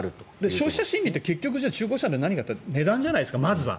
消費者心理って結局、中古車で何が大事かって値段じゃないですか、まずは。